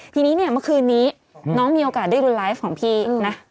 ทีนี้เนี่ยเมื่อคืนนี้น้องมีโอกาสได้รุนไลฟ์ของพี่นะ